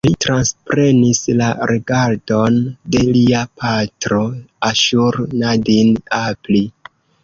Li transprenis la regadon de lia patro Aŝur-nadin-apli.